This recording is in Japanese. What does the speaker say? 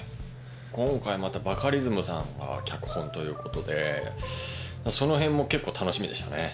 今回またバカリズムさんが脚本ということでそのへんも結構楽しみでしたね。